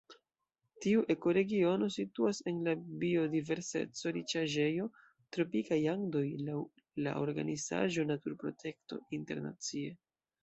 Tiu ekoregiono situas en la biodiverseco-riĉaĵejo Tropikaj Andoj laŭ la organizaĵo Naturprotekto Internacie.